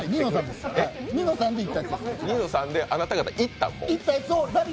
あなた方、行ったの？